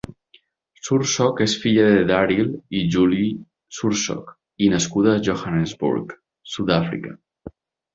Sursok és filla de Daryl i Julie Sursok i nascuda a Johannesburg, Sud-àfrica.